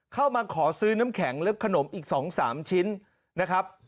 เข้ามาขอซื้อน้ำแข็งและขนมอีก๒๓ชิ้นนะครับ